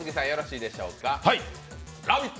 「ラヴィット！」